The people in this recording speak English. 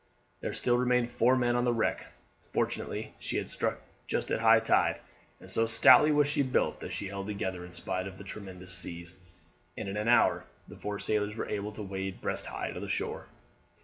There still remained four men on the wreck. Fortunately she had struck just at high tide, and so stoutly was she built that she held together in spite of the tremendous seas, and in an hour the four sailors were able to wade breast high to the shore.